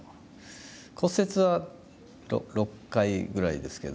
骨折は６回ぐらいですけど。